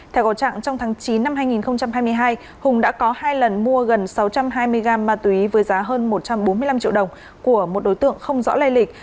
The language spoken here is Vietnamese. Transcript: theo có trạng trong tháng chín năm hai nghìn hai mươi hai hùng đã có hai lần mua gần sáu trăm hai mươi gram ma túy với giá hơn một trăm bốn mươi năm triệu đồng của một đối tượng không rõ lây lịch